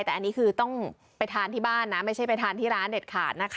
แต่อันนี้คือต้องไปทานที่บ้านนะไม่ใช่ไปทานที่ร้านเด็ดขาดนะคะ